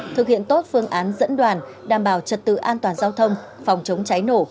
thực hiện tốt phương án dẫn đoàn đảm bảo trật tự an toàn giao thông phòng chống cháy nổ